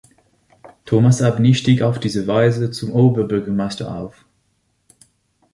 Thomas Abney stieg auf diese Weise zum Oberbürgermeister auf.